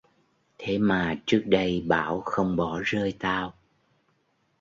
thế mà trước đây bảo không bỏ rơi tao